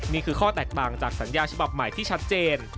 นี่คือข้อแตกต่างจากสัญญาฉบับใหม่ที่ชัดเจน